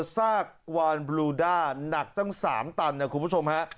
ซากวานบลูด้านักตั้ง๓ตันนะคุณผู้ชมฮะ